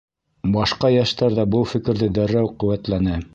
Башҡа йәштәр ҙә был фекерҙе дәррәү ҡеүәтләне.